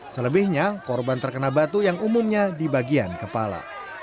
selebihnya korban terkena batu yang umumnya di bagian kepala